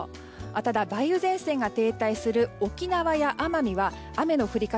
ただ梅雨前線が停滞する沖縄や奄美は雨の降り方